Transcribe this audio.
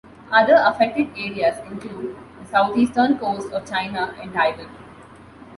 Other affected areas include the southeastern coast of China and Taiwan.